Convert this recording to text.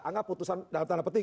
anggap putusan dalam tanda petik